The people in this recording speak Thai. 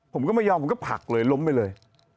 ผมก็ไม่ยอมผมก็ผลักเลยล้มไปเลย